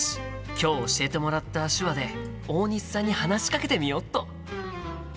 今日教えてもらった手話で大西さんに話しかけてみよっと！